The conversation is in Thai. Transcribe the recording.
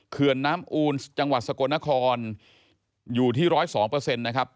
เคือนน้ำอูลจังหวัดสโกนครอยู่ที่๑๐๒เปอร์เซ็นต์นะครับ